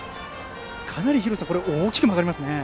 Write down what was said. かなり大きく曲がりますね。